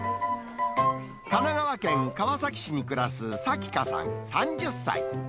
神奈川県川崎市に暮らすさきかさん３０歳。